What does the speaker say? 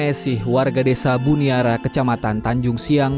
esih warga desa buniara kecamatan tanjung siang